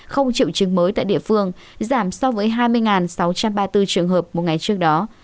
không triệu chứng mới tại địa phương giảm so với hai mươi sáu trăm ba mươi bốn trường hợp một ngày trước đó